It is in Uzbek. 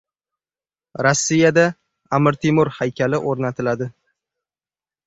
Rossiyada Amir Temur haykali o‘rnatiladi